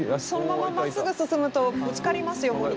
そのまままっすぐ進むとぶつかりますよ